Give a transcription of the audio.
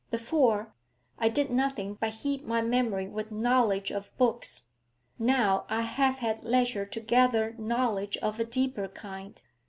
Before, I did nothing but heap my memory with knowledge of books; now I have had leisure to gather knowledge of a deeper kind.